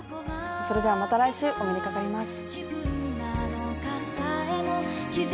それではまた来週、お目にかかります。